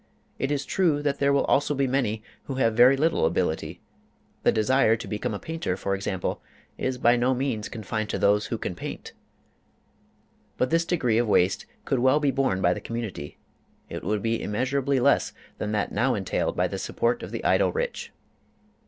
It is true that there will also be many who have very little ability; the desire to become a painter, for example, is by no means confined to those who can paint. But this degree of waste could well be borne by the community; it would be immeasurably less than that now entailed by the support of the idle rich.